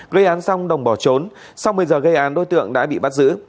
gây án xong đồng bỏ trốn sau một mươi giờ gây án đối tượng đã bị bắt giữ